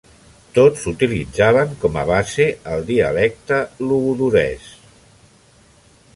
Tots utilitzaven com a base el dialecte logudorès.